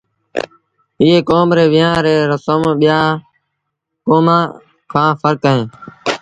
ايئ ڪوم ري ويهآݩ ريٚ رسم ٻيآݩ ڪوميݩ کآݩ ڦرڪ اهي